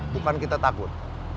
bukan kita takut